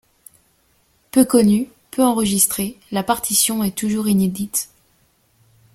Peu connue, peu enregistrée, la partition est toujours inédite.